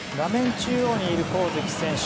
中央にいる上月選手